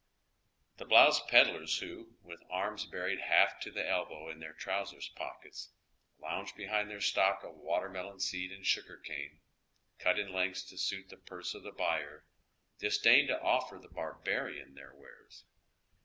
The bloused pedlars who, with arms buried half to the elbow in their trousers' pockets, lounge beliind their stock of watermelon seed and sugar cane, cut in lengths to suit the puree of tlie buyer, disdain to offer the barbarian their wares.